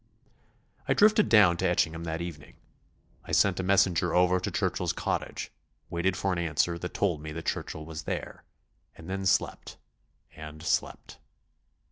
I drifted down to Etchingham that evening, I sent a messenger over to Churchill's cottage, waited for an answer that told me that Churchill was there, and then slept, and slept.